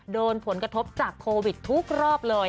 โดนผลกระทบจากโควิดทุกรอบเลย